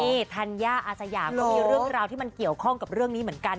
นี่ธัญญาอาสยามก็มีเรื่องราวที่มันเกี่ยวข้องกับเรื่องนี้เหมือนกัน